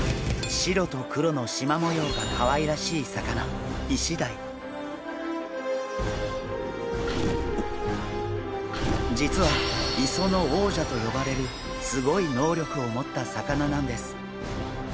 白と黒のしま模様がかわいらしい魚実は磯の王者と呼ばれるすごい能力を持った魚なんです！